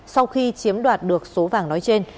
sau khi chiếm đoạt được số vàng nói trên